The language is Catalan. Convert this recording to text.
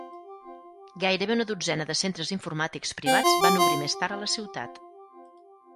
Gairebé una dotzena de centres informàtics privats van obrir més tard a la ciutat.